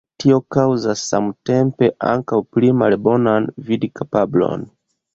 Tio kaŭzas samtempe ankaŭ pli malbonan vidkapablon.